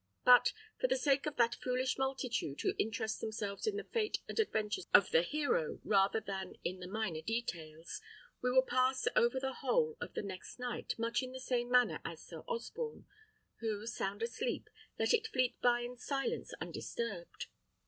But for the sake of that foolish multitude who interest themselves in the fate and adventures of the hero, rather than in the minor details, we will pass over the whole of the next night much in the same manner as Sir Osborne, who, sound asleep, let it fleet by in silence undisturbed.